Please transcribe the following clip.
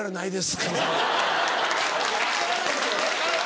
分かんないですよ。